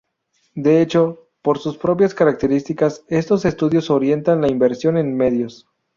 De hecho, por sus propias características, estos estudios orientan la inversión en medios.